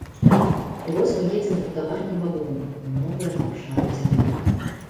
І вось мы едзем у таварным вагоне ў новыя абшары зямлі.